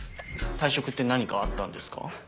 退職って何かあったんですか？